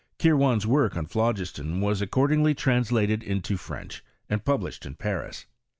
Kirwan's work on phlog iston was accordingly translated into French, and published in Paris.